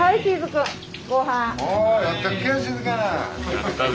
やったぜ！